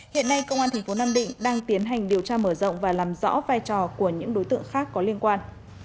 hiện nay công an tp nam định đang tiến hành điều tra mở rộng và làm rõ vai trò của những đối tượng khác có liên quan